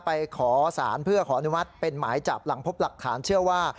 ไปขอสารเพื่อขออนุมัติเป็นหมายจับหลังพบหลักฐานเชื่อว่า